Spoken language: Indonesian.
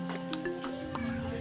tembakau yang dikemas